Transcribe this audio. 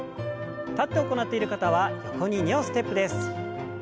立って行っている方は横に２歩ステップです。